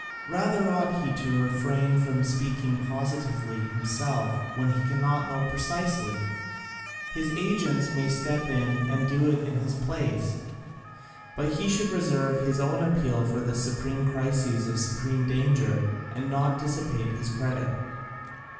Rather ought he to refrain from speaking positively himself when he cannot know precisely; his agents may step in and do it in his place; but he should reserve his own appeal for the supreme crises of supreme danger, and not dissipate his credit."